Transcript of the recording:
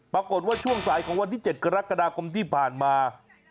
ปรากฏว่าช่วงสายของวันที่๗กรกฎาคมที่ผ่านมา